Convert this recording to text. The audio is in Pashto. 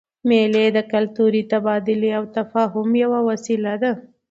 مېلې د کلتوري تبادلې او تفاهم یوه وسیله ده.